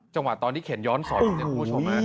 จังหวะตอนที่เขนย้อนศรของเจ้าคุณผู้ชมฮะ